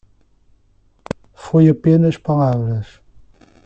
Foi apenas palavras.